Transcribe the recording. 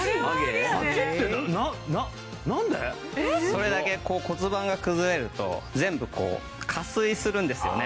それだけ骨盤が崩れると全部こう下垂するんですよね